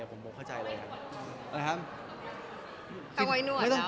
ผมเข้าใจเลย